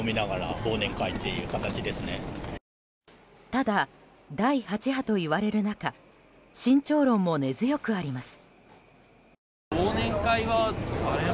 ただ、第８波といわれる中慎重論も根強くあります。